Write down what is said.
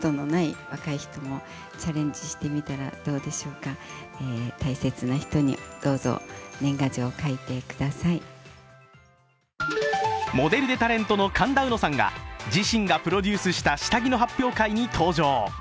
年賀状を送りたい大切な人を聞かれた生見さんはモデルでタレントの神田うのさんが自身がプロデュースした下着の発表会に登場。